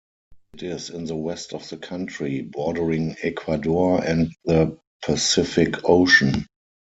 It is in the west of the country, bordering Ecuador and the Pacific Ocean.